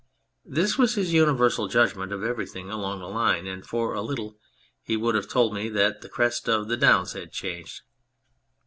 This was his universal judgment of everything along the line, and for a little he would have told me that the crest of the downs had changed.